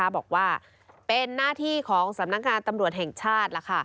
บอกว่าเป็นหน้าที่ของสำนักงานตำรวจแห่งชาติ